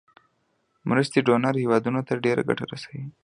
مرستې ډونر هیوادونو ته ډیره ګټه رسوي.